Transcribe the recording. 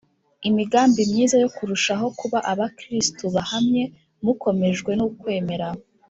imigambi myiza yo kurushaho kuba abakristu bahamye mukomejwe n’ukwemera